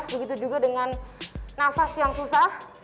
begitu juga dengan nafas yang susah